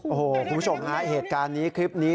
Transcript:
คุณผู้ชมนะเหตุการณ์นี้คลิปนี้